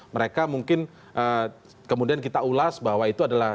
mereka mungkin kemudian kita ulas bahwa itu adalah